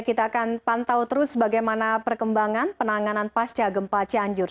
kita akan pantau terus bagaimana perkembangan penanganan pasca gempa cianjur